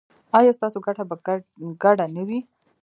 ایا ستاسو ګټه به ګډه نه وي؟